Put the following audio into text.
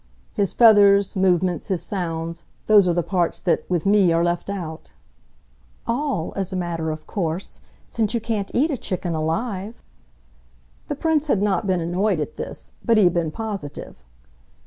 His feathers, movements, his sounds those are the parts that, with me, are left out." "All, as a matter of course since you can't eat a chicken alive!" The Prince had not been annoyed at this, but he had been positive.